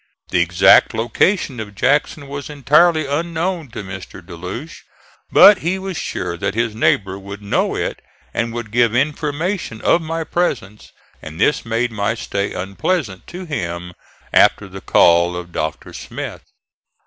The exact location of Jackson was entirely unknown to Mr. De Loche; but he was sure that his neighbor would know it and would give information of my presence, and this made my stay unpleasant to him after the call of Dr. Smith.